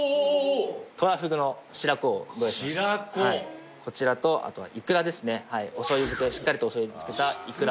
トラフグの白子をご用意しましたこちらとあとはイクラですねお醤油漬けしっかりとお醤油に漬けたイクラ